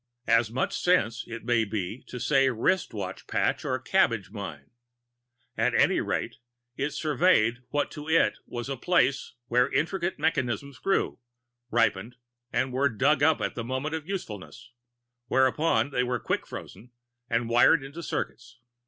As much sense, it may be, to say wristwatch patch or cabbage mine. At any rate, it surveyed what to it was a place where intricate mechanisms grew, ripened and were dug up at the moment of usefulness, whereupon they were quick frozen and wired into circuits.